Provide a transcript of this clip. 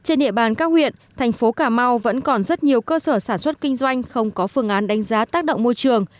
trên địa bàn các huyện thành phố cà mau vẫn còn rất nhiều cơ sở sản xuất kinh doanh không có phương án đánh giá tác động môi trường